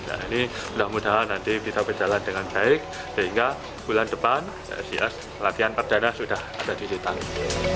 ini mudah mudahan nanti bisa berjalan dengan baik sehingga bulan depan latihan perdana sudah ada di citarum